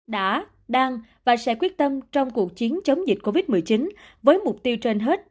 đã đang và sẽ quyết tâm trong cuộc chiến chống dịch covid một mươi chín với mục tiêu trên hết